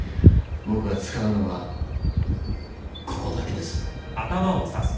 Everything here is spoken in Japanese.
僕が使うのはここだけです